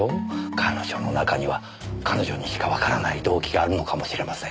彼女の中には彼女にしかわからない動機があるのかもしれません。